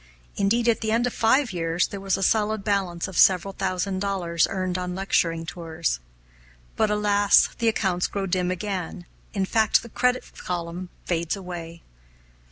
Indeed, at the end of five years there was a solid balance of several thousand dollars earned on lecturing tours. But alas! the accounts grow dim again in fact the credit column fades away.